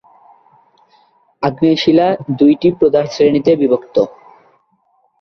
আগ্নেয় শিলা দুইটি প্রধান শ্রেণিতে বিভক্ত।